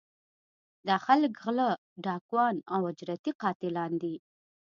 دا خلک غلۀ ، ډاکوان او اجرتي قاتلان وي